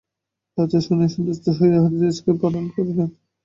রাজা শুনিয়া সন্তুষ্ট হইয়া হরিদাসকে ধন্যবাদ প্রদান করিলেন।